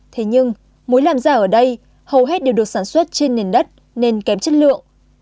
thế nhưng muốn làm ra ở đây hầu hết đều được sản xuất trên nền đất nên kém chất lượng